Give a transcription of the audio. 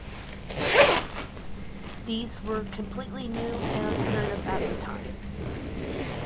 These were completely new and unheard of at the time.